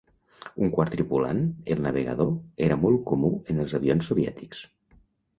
Un quart tripulant, el navegador, era molt comú en els avions soviètics.